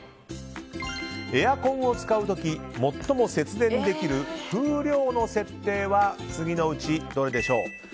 エアコンを使う時最も節電できる風量の設定は次のうちどれでしょうか。